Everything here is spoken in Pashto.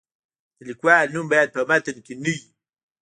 د لیکوال نوم باید په متن کې نه وي.